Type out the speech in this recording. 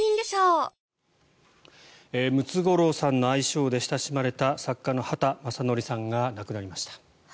ムツゴロウさんの愛称で親しまれた作家の畑正憲さんが亡くなりました。